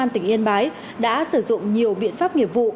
tỉnh yên bái đã sử dụng nhiều biện pháp nghiệp vụ